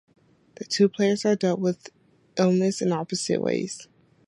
The two players also dealt with illness in opposite ways.